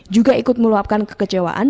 juga ikut meluapkan kekecewaan